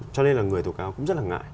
cho nên là người tố cáo cũng rất là ngại